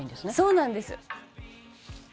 「そうなんです」